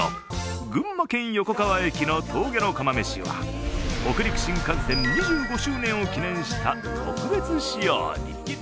群馬県横川駅の峠の釜めしは北陸新幹線２５年を記念した特別仕様に。